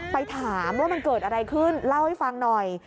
ไปถามว่ามันเกิดอะไรขึ้นเล่าให้ฟังหน่อย